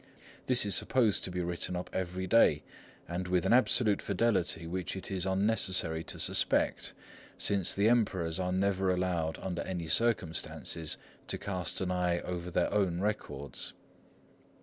This is supposed to be written up every day, and with an absolute fidelity which it is unnecessary to suspect, since the Emperors are never allowed under any circumstances to cast an eye over their own records.